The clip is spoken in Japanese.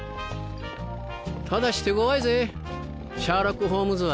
ただし手ごわいぜシャーロック・ホームズは。